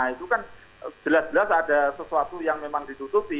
itu kan jelas jelas ada sesuatu yang memang ditutupi